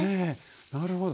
なるほど。